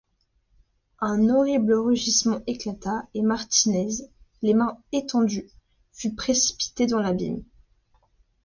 Un horrible rugissement éclata, et Martinez, les mains étendues, fut précipité dans l’abîme.